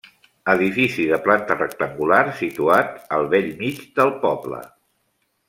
Edifici de planta rectangular situat al bell mig del poble.